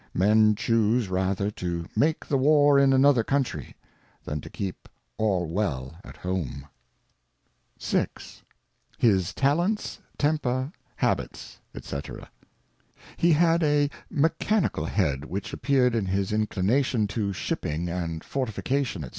Men choose rather to make the War in another Country, than to keep all well at home. VI. His 202 A Character of VI. His Talents, Temper, Habits, c&c. HE had a Mechanical Head, which appeared in his Inclination to Shipping and Fortification, <^c.